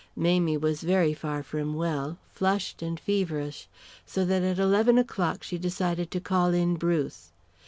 Mamie was very far from well, flushed and feverish, so that at eleven o'clock she decided to call in Bruce.